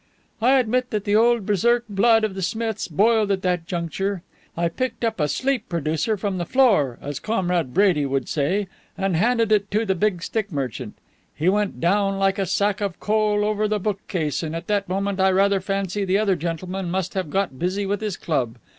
"I admit that the old Berserk blood of the Smiths boiled at that juncture. I picked up a sleep producer from the floor, as Comrade Brady would say, and handed it to the big stick merchant. He went down like a sack of coal over the bookcase, and at that moment I rather fancy the other gentleman must have got busy with his club.